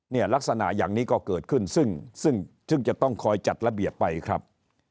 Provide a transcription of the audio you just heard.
เนี่ยลักษณะอย่างนี้ก็เกิดขึ้นซึ่งซึ่งจะต้องคอยจัดระเบียบไปครับ